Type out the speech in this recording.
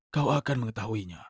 kau akan mengetahuinya